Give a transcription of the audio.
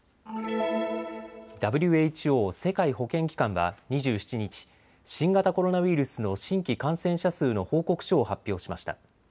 ＷＨＯ・世界保健機関は２７日、新型コロナウイルスの新規感染者数の報告書を発表しました。